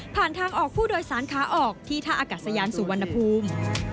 ทางออกผู้โดยสารขาออกที่ท่าอากาศยานสุวรรณภูมิ